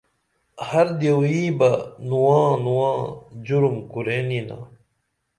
ہر دیوئیں بہ نواں نواں جُرم کُرئین یینا